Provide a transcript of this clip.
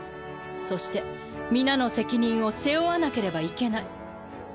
そして皆の責任を背負わなければいけない。